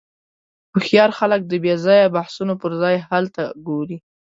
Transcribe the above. هوښیار خلک د بېځایه بحثونو پر ځای حل ته ګوري.